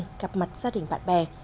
gặp mặt gia đình bạn bè